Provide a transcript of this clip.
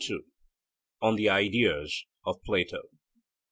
ON THE IDEAS OF PLATO.